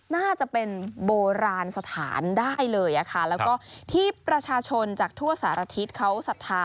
น่าจะเป็นโบราณสถานได้เลยค่ะแล้วก็ที่ประชาชนจากทั่วสารทิศเขาศรัทธา